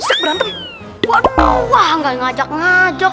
assalamualaikum warahmatullahi wabarakatuh